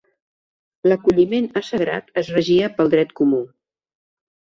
L'acolliment a sagrat es regia pel dret comú.